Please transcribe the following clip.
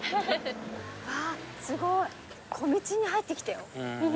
あっすごい小道に入ってきたよ。